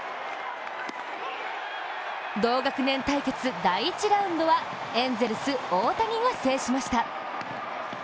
同学年対決・第１ラウンドはエンゼルス・大谷が制しました。